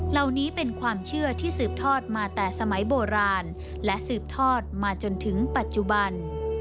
เหล่านี้เป็นความเชื่อที่สืบทอดมาแต่สมัยโบราณและสืบทอดมาจนถึงปัจจุบัน